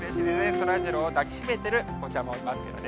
そらジローを抱きしめてるお子ちゃまもいますよね。